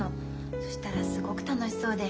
そしたらすごく楽しそうで。